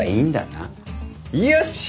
よし！